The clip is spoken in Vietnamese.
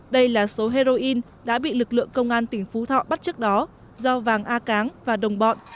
đây là số heroin đã bị lực lượng công an tỉnh phú thọ bắt trước đó do vàng a cáng và đồng bọn